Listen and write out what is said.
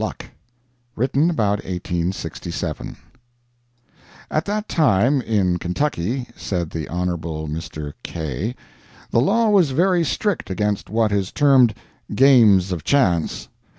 LUCK [Written about 1867.] At that time, in Kentucky (said the Hon. Mr. K ); the law was very strict against what is termed "games of chance."